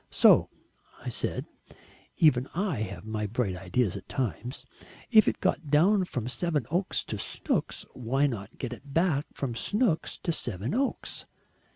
So I said even I have my bright ideas at times 'if it got down from Sevenoaks to Snooks, why not get it back from Snooks to Sevenoaks?'